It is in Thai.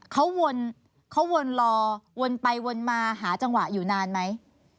เขาวนเขาวนรอวนไปวนมาหาจังหวะอยู่นานไหม